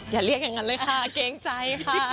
อย่าเรียกอย่างนั้นเลยค่ะเกรงใจค่ะ